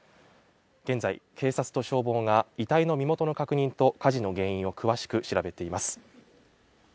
現在、警察と消防が遺体の身元の確認と火事の原因を詳しく調べています。